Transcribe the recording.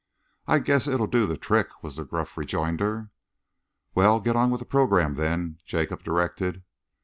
"I guess it'll do the trick," was the gruff rejoinder. "Well, get on with the programme, then," Jacob directed.